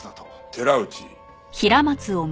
寺内？